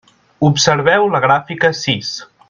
Observeu la gràfica sis.